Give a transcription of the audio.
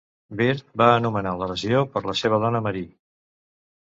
Byrd va anomenar la regió per la seva dona Marie.